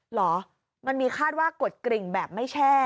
เหรอมันมีคาดว่ากดกริ่งแบบไม่แช่